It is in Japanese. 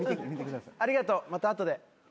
ありがとうまた後で。